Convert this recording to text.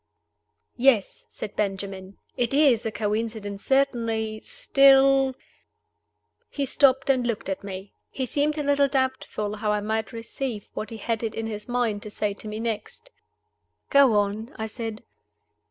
"YES," said Benjamin. "It is a coincidence certainly. Still " He stopped and looked at me. He seemed a little doubtful how I might receive what he had it in his mind to say to me next. "Go on," I said.